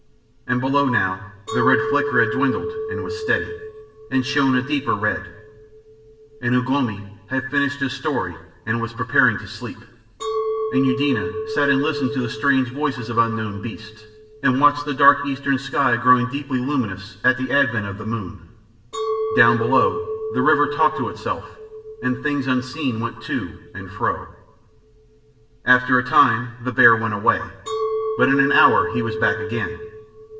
And below now, the red flicker had dwindled and was steady, and shone a deeper red, and Ugh lomi had finished his story and was preparing to sleep, and Eudena sat and listened to the strange voices of unknown beasts, and watched the dark eastern sky growing deeply luminous at the advent of the moon. Down below, the river talked to itself, and things unseen went to and fro. After a time the bear went away, but in an hour he was back again.